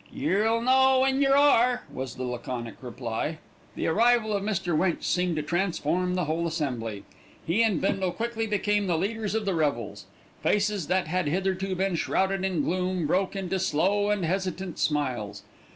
"Yer'll know when yer are," was the laconic reply. The arrival of Mr. Winch seemed to transform the whole assembly. He and Bindle quickly became the leaders of the revels. Faces that had hitherto been shrouded in gloom broke into slow and hesitant smiles.